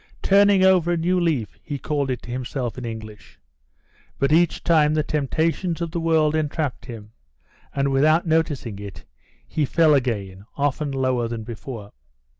"Turning over a new leaf," he called it to himself in English. But each time the temptations of the world entrapped him, and without noticing it he fell again, often lower than before.